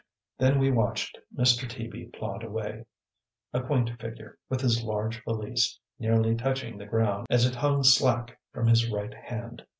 Then we watched Mr. Teaby plod away, a quaint figure, with his large valise nearly touching the ground as it hung slack from his right hand.